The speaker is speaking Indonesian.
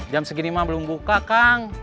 jam segini mah belum buka kang